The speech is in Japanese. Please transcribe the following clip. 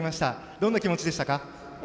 どんな気持ちでしたか？